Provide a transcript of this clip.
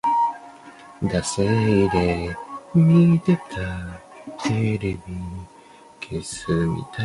冷泉隆丰是日本战国时代的武将。